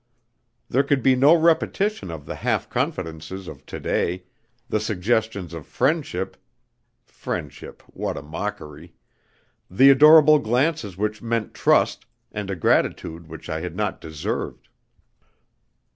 There could be no repetition of the half confidences of to day, the suggestions of friendship (friendship what a mockery!), the adorable glances which meant trust, and a gratitude which I had not deserved.